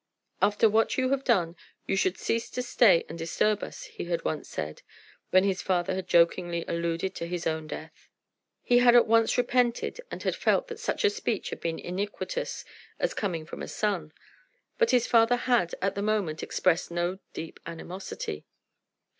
"After what you have done you should cease to stay and disturb us," he had once said, when his father had jokingly alluded to his own death. He had at once repented, and had felt that such a speech had been iniquitous as coming from a son. But his father had, at the moment, expressed no deep animosity.